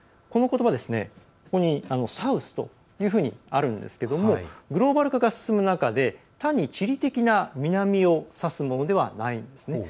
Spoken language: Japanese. このことばサウスというふうにあるんですけれどもグローバル化が進む中で単に地理的な南を指すものではないんです。